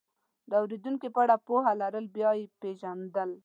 د اورېدونکو په اړه پوهه لرل یا یې پېژندل،